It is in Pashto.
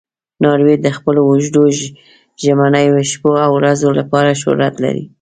ناروی د خپلو اوږدو ژمنیو شپو او ورځو لپاره شهرت لري.